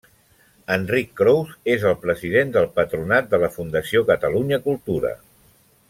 Enric Crous és el president del Patronat de la Fundació Catalunya Cultura.